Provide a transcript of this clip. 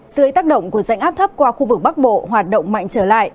dưới tác động của rãnh áp thấp qua khu vực bắc bộ hoạt động mạnh trở lại